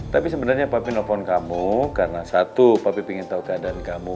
tapi sebenarnya papi nelfon kamu karena satu papi ingin tahu keadaan kamu